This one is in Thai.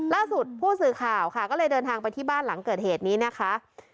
ล่าสุดผู้สื่อข่าวค่ะก็เลยเดินทางไปที่บ้านหลังเกิดเหตุนี้นะคะ